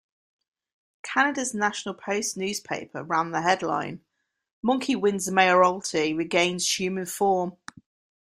Canada's "National Post" newspaper ran the headline "Monkey wins mayoralty, regains human form".